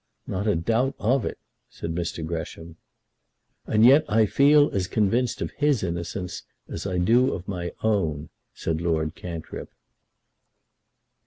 "Not a doubt of it," said Mr. Gresham. "And yet I feel as convinced of his innocence as I do of my own," said Lord Cantrip.